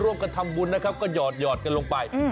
ร่วมกันทำบุญนะครับก็หยอดกันลงไป